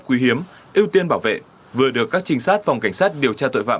các loài nguy cấp quý hiếm ưu tiên bảo vệ vừa được các trinh sát phòng cảnh sát điều tra tội vạm